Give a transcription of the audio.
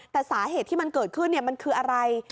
แต่สาเหตุที่มันเกิดขึ้นมันคืออะไร